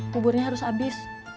buburnya harus habis